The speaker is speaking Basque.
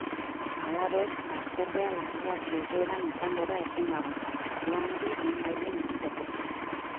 Halaber, batzordea larrialdi egoeran izango da etengabe, lanari lehenbailehen ekiteko.